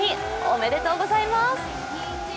おめでとうございます。